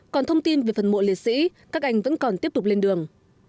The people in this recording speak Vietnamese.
còn thông tin về phần mộ liệt sĩ các anh vẫn còn tiếp tục lên đường